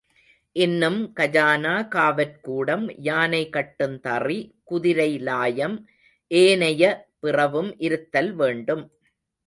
இன்னும் கஜானா, காவற்கூடம், யானை கட்டுந்தறி, குதிரை லாயம், ஏனைய பிறவும் இருத்தல் வேண்டும்.